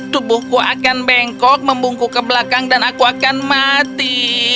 tubuhku akan bengkok membungkuk ke belakang dan aku akan mati